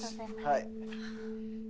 はい。